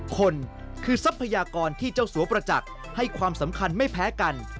คนคือทรัพยากรที่เจ้าสัวประจักษ์ให้ความสำคัญไม่แพ้กัน